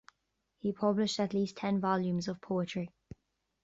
He published at least ten volumes of poetry.